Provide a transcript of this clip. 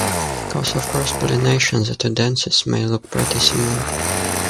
Because of cross-pollination, the two dances may look pretty similar.